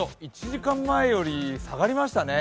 １時間前より下がりましたね。